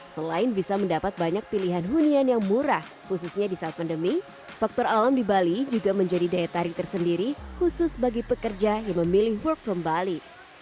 selain bisa mendapat banyak pilihan hunian yang murah khususnya di saat pandemi faktor alam di bali juga menjadi daya tarik tersendiri khusus bagi pekerja yang memilih work from bali